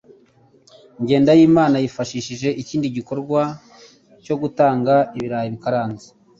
Jyendayimana yifashishije ikindi gikorwa cyo gutanga ibirayi bikaranze.